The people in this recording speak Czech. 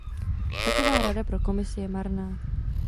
Taková rada pro Komisi je marná.